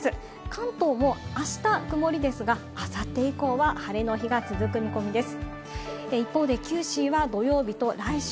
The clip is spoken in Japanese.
関東もあした曇りですが、あさって以降は晴れの日が続く見込みです。